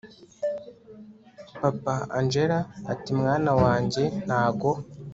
papa angella ati mwana wanjye ntago